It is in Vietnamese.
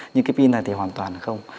nhưng cái pin này thì hoàn toàn không